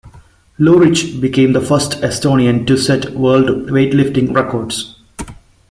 Lurich became the first Estonian to set world weightlifting records.